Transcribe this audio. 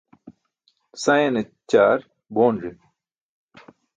Sayane ćaar boonzi.